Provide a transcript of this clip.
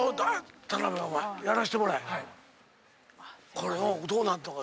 これどうなんのか。